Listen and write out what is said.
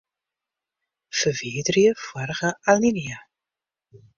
Ferwiderje foarige alinea.